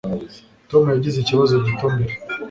Tom yagize ikibazo gito mbere.